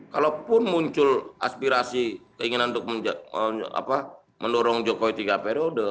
kalaupun muncul aspirasi keinginan untuk mendorong jokowi tiga periode